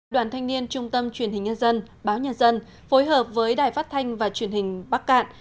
đoàn thanh niên trung tâm truyền hình nhân dân báo nhân dân phối hợp với đài phát thanh và truyền hình bắc cạn